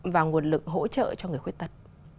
và nguồn lực hỗ trợ cho người khuyết tật